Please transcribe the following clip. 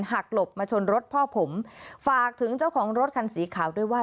หลบมาชนรถพ่อผมฝากถึงเจ้าของรถคันสีขาวด้วยว่า